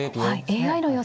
ＡＩの予想